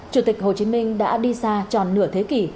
chủ tịch hồ chí minh đã đi xa tròn nửa thế kỷ